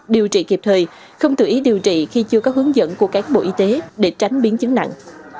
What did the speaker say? điều trị kịp thời không tự ý điều trị khi chưa có hướng dẫn của các bộ y tế để tránh biến chứng nặng